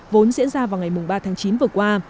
vốn diễn ra vào ngày ba tháng chín vừa qua